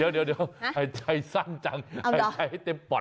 เดี๋ยวหายใจสั้นจังหายใจให้เต็มปอด